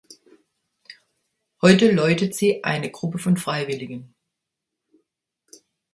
Heute läutet sie eine Gruppe von Freiwilligen.